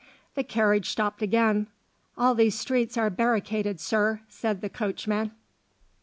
The carriage stopped again. "All these streets are barricaded, Sir," said the coach man.